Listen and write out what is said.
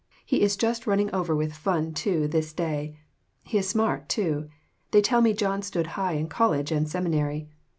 He is just running over with fun to this day. He is smart, too. They tell me John stood high in college and seminary.